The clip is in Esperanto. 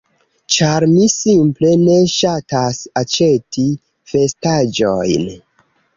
ĉar mi simple ne ŝatas aĉeti vestaĵojn.